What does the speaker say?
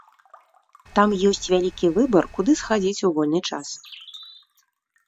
Там ёсць вялікі выбар, куды схадзіць у вольны час.